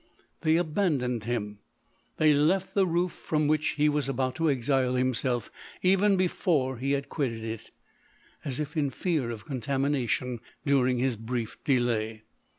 They abandoned him. They left the roof from which he was about to exile himself, even before he had quitted it, as if in fear of contamination during his brief delay.